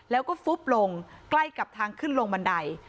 แล้วก็ฟุบลงใกล้กับทางขึ้นลงบันได